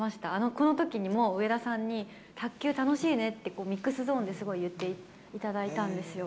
このときにも上田さんに、卓球楽しいねって、ミックスゾーンですごい言っていただいたんですよ。